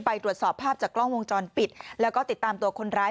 ตรวจสอบภาพจากกล้องวงจรปิดแล้วก็ติดตามตัวคนร้าย